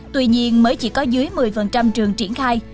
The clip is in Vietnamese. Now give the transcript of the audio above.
tuy nhiên mới chỉ có dưới một mươi trường triển khai